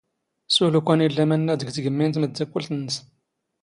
ⵙⵓⵍ ⵓⴽⴰⵏ ⵉⵍⵍⴰ ⵎⴰⵏⵏⴰⴷ ⴳ ⵜⴳⵎⵎⵉ ⵏ ⵜⵎⴷⴷⴰⴽⴽⵯⵍⵜ ⵏⵏⵙ.